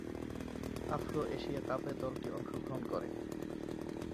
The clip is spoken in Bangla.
আফ্রো-এশিয়া কাপে দলটি অংশগ্রহণ করে।